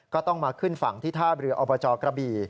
ก็ต้องมาขึ้นฝั่งที่ท่าเรืออบจกระบี่